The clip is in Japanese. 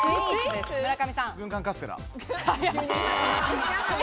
軍艦カステラ。